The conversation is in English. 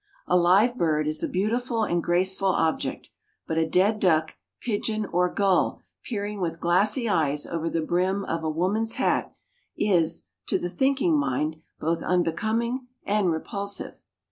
A live bird is a beautiful and graceful object, but a dead duck, pigeon, or gull peering with glassy eyes over the brim of a woman's hat is, to the thinking mind, both unbecoming and repulsive.